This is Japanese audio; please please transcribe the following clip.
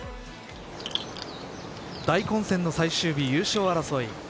大混戦の最終日優勝争い